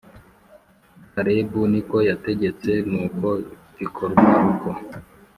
Karebu ni ko yategetse nuko bikorwa uko